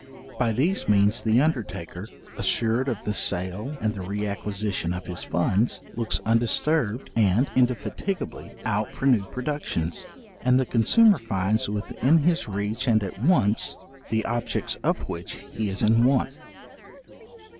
By these means the undertaker, assured of the sale and the re acquisition of his funds, looks undisturbed and indefatigably out for new productions, and the consumer finds within his reach and at once, the objects of which he is in want.